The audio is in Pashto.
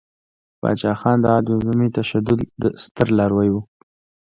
پاچاخان د عدم تشدد ستر لاروی ؤ.